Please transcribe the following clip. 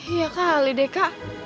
iya kali deh kak